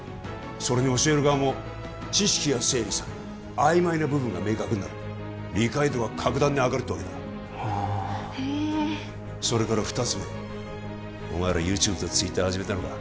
それに教える側も知識が整理され曖昧な部分が明確になる理解度は格段に上がるってわけだはあへえそれから二つ目お前らＹｏｕＴｕｂｅとＴｗｉｔｔｅｒ始めたのか？